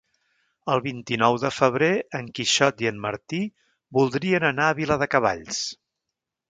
El vint-i-nou de febrer en Quixot i en Martí voldrien anar a Viladecavalls.